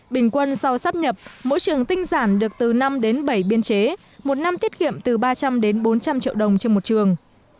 bình quân sau sắp nhập mỗi trường tinh giản được từ năm đến bảy biên chế một năm tiết kiệm từ ba trăm linh đến bốn trăm linh triệu đồng trên một trường